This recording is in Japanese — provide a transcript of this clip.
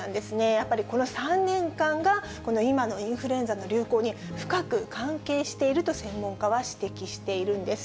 やっぱりこの３年間が、この今のインフルエンザの流行に深く関係していると専門家は指摘しているんです。